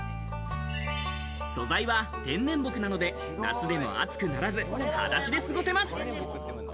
素材は天然木なので、夏でも熱くならず、はだしで過ごせます。